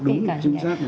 đúng là chính xác